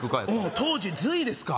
当時隋ですか？